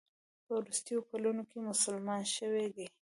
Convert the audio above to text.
په وروستیو کلونو کې مسلمان شوی دی.